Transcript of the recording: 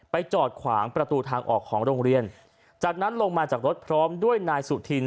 จอดขวางประตูทางออกของโรงเรียนจากนั้นลงมาจากรถพร้อมด้วยนายสุธิน